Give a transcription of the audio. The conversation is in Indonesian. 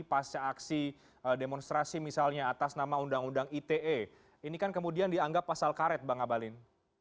pasca aksi demonstrasi misalnya atas nama undang undang ite ini kan kemudian dianggap pasal karet bang abalin